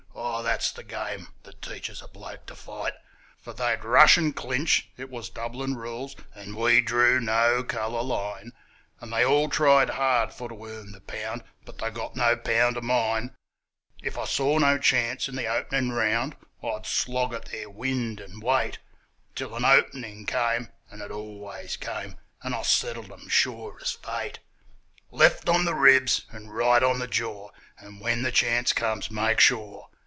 Oh, that's the game that teaches a bloke to fight, For they'd rush and clinch, it was Dublin Rules, and we drew no colour line; And they all tried hard for to earn the pound, but they got no pound of mine: If I saw no chance in the opening round I'd slog at their wind, and wait Till an opening came and it ALWAYS came and I settled 'em, sure as fate; Left on the ribs and right on the jaw and, when the chance comes, MAKE SURE!